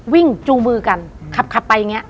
จูมือกันขับไปอย่างนี้